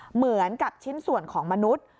เหมือนกับชิ้นส่วนของมนุษย์